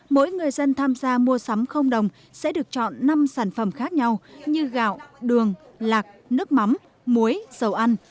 mỗi người dân tham gia mua sắm không đồng sẽ được chọn năm sản phẩm khác nhau như gạo đường lạc nước mắm muối dầu ăn